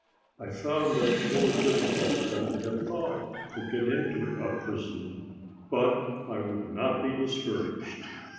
I found it more difficult than I had thought to get into a prison, but I would not be discouraged.